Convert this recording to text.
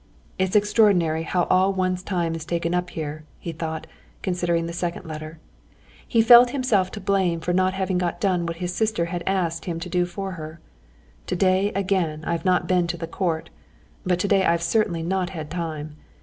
"It's extraordinary how all one's time is taken up here," he thought, considering the second letter. He felt himself to blame for not having got done what his sister had asked him to do for her. "Today, again, I've not been to the court, but today I've certainly not had time."